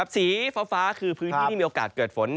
สีฟ้าคือพื้นที่ที่มีโอกาสเกิดฝน